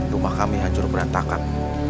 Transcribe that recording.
rumah kami hancur berantakan